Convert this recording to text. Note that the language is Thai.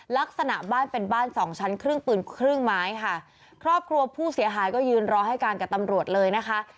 ลักษณะบ้านเป็นบ้านสองชั้นครึ่งปืนครึ่งไม้ค่ะครอบครัวผู้เสียหายก็ยืนรอให้การกับตำรวจเลยนะคะ